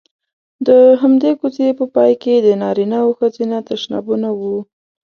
د همدې کوڅې په پای کې د نارینه او ښځینه تشنابونه وو.